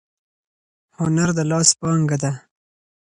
هنر د لاس پانګه ده.